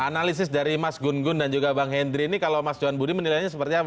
analisis dari mas gun gun dan juga bang hendry ini kalau mas johan budi menilainya seperti apa